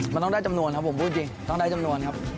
มันต้องได้จำนวนครับผมพูดจริงต้องได้จำนวนครับ